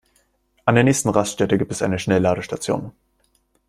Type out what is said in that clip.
An der nächsten Raststätte gibt es eine Schnellladestation.